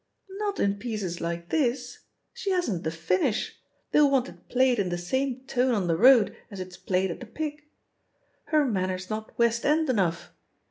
"Not in pieces like this ; she hasn't the finish ; they'll want it played in the same tone on the road aa it's played at the Pic. Her manner's not West End enough.